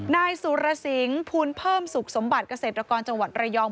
นายสุรสิงศ์ภูลเพิ่มสุขสมบัติเกษตรกรจังหวัดระยอง